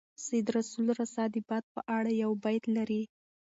سید رسول رسا د باد په اړه یو بیت لري.